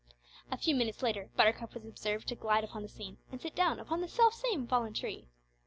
A few minutes later Buttercup was observed to glide upon the scene and sit down upon the self same fallen tree.